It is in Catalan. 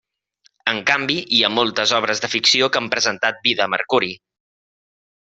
En canvi, hi ha moltes obres de ficció que han presentat vida a Mercuri.